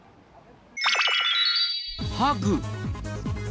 ハグ。